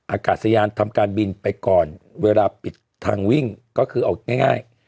อากาศยานทำการบินไปก่อนเวลาปิดทางวิ่งก็คือเอาง่าย